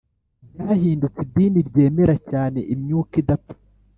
ryahindutse idini ryemera cyane imyuka idapfa